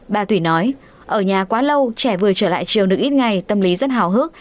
bà thủy nói ở nhà quá lâu trẻ vừa trở lại trường được ít ngày tâm lý rất hào hức